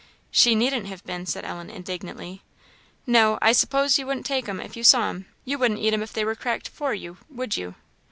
"She needn't have been," said Ellen, indignantly. "No, I s'pose you wouldn't take 'em if you saw 'em; you wouldn't eat 'em if they were cracked for you, would you?"